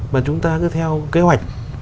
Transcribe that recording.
mà chúng ta cứ theo kế hoạch